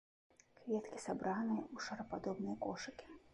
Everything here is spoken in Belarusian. Кветкі сабраныя ў шарападобныя кошыкі.